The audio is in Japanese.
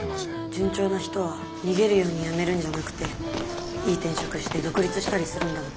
順調な人は逃げるように辞めるんじゃなくていい転職して独立したりするんだもん。